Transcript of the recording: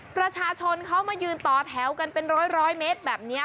ประชาชนเขามายืนต่อแถวกันเป็นร้อยเมตรแบบนี้